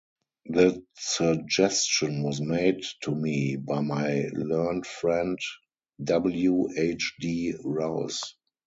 The suggestion was made to me by my learned friend W. H. D. Rouse.